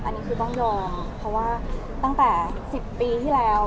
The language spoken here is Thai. อันนี้คือต้องยอมเพราะว่าตั้งแต่๑๐ปีที่แล้ว